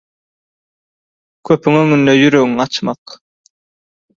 köpüň öňünde ýüregiňi açmak.